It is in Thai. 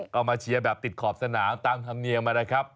ต้องมาเชียวแบบติดขอบสนามตามธรรมเนียงเลยนะครับ